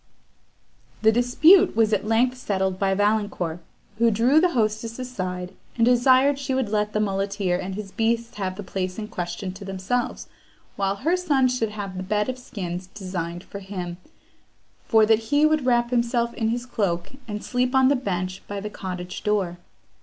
The dispute was at length settled by Valancourt, who drew the hostess aside, and desired she would let the muleteer and his beasts have the place in question to themselves, while her sons should have the bed of skins designed for him, for that he would wrap himself in his cloak, and sleep on the bench by the cottage door.